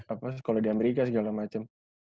apa sekolah di amerika segala macem